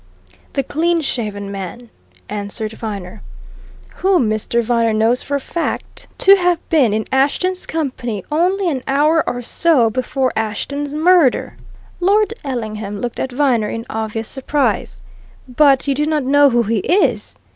"The clean shaven man," answered Viner. "Whom Mr. Viner knows for a fact," continued Mr. Pawle, "to have been in Ashton's company only an hour or so before Ashton's murder!" Lord Ellingham looked at Viner in obvious surprise. "But you do not know who he is?"